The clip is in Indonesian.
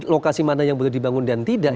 lokasi mana yang boleh dibangun dan tidak